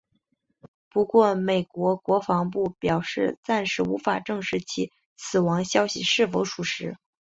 不过美国国防部表示暂时无法证实其死亡消息是否属实。